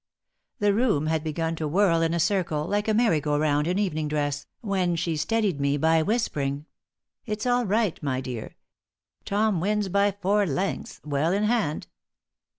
The room had begun to whirl in a circle, like a merry go round in evening dress, when she steadied me by whispering: "It's all right, my dear. Tom wins by four lengths, well in hand."